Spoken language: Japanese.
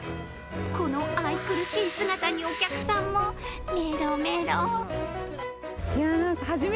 この愛くるしい姿にお客さんもメロメロ。